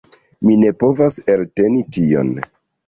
Mi ne povas elteni tion.